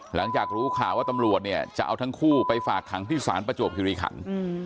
หลังจากรู้ข่าวว่าตำรวจเนี่ยจะเอาทั้งคู่ไปฝากขังที่ศาลประจวบคิริขัน